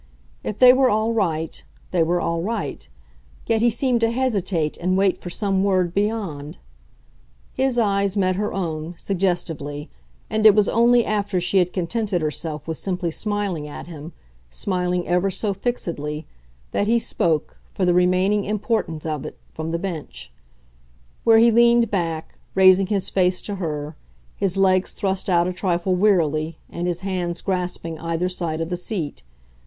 If they were all right; they were all right; yet he seemed to hesitate and wait for some word beyond. His eyes met her own, suggestively, and it was only after she had contented herself with simply smiling at him, smiling ever so fixedly, that he spoke, for the remaining importance of it, from the bench; where he leaned back, raising his face to her, his legs thrust out a trifle wearily and his hands grasping either side of the seat.